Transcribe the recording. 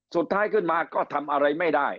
สุดท้ายขึ้นมาก็ทำอะไรไม่ได้